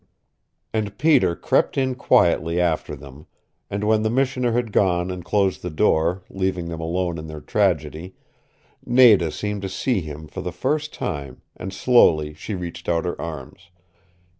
And Peter crept in quietly after them, and when the Missioner had gone and closed the door, leaving them alone in their tragedy, Nada seemed to see him for the first time and slowly she reached out her arms.